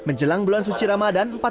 nah inilah kira kira gambaran dari takdir